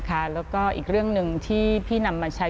แล้วก็อีกเรื่องหนึ่งที่พี่นำมาใช้